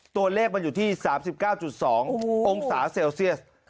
ตัวเลขมันอยู่ที่๓๙๒องศาเซลเซียส